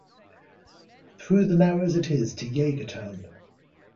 Through the narrows it is to Yeagertown.